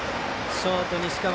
ショート、西川。